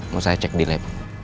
mau saya cek di lab